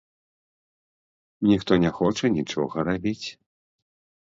Ніхто не хоча нічога рабіць.